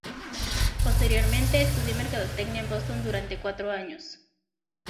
Posteriormente estudió mercadotecnia en Boston durante cuatro años.